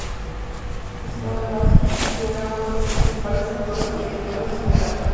Stanislavski ya era uno de los principales actores y directores de su generación.